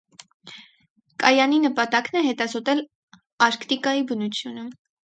Կայանի նպատակն Է հետազոտել արկտիկայի բնությունը։